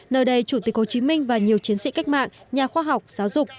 nơi đây chủ tịch hồ chí minh và nhiều chiến sĩ cách mạng nhà khoa học giáo dục